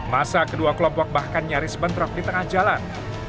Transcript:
masa kedua kelompok bahkan nyaris bentrok di tengah jalan